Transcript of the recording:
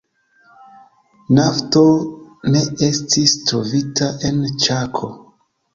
Nafto ne estis trovita en Ĉako.